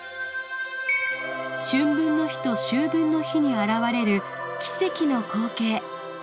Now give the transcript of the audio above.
春分の日と秋分の日に現れる奇跡の光景。